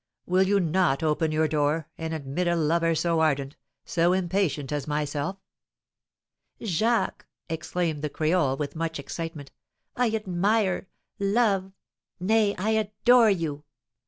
Will you not open your door, and admit a lover so ardent, so impatient as myself?" "Jacques," exclaimed the creole, with much excitement, "I admire, love, nay, adore you!"